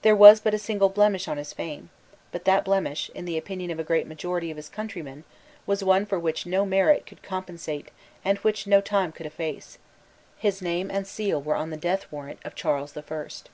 There was but a single blemish on his fame: but that blemish, in the opinion of the great majority of his countrymen, was one for which no merit could compensate and which no time could efface. His name and seal were on the death warrant of Charles the First.